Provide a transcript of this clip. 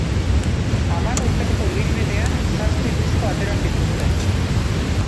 Hamar urteko ibilbidean zazpi disko atera zituzten.